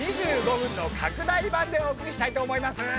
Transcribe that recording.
２５分の拡大版でお送りしたいと思います。